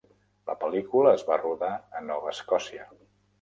La pel·lícula es va rodar a Nova Escòcia.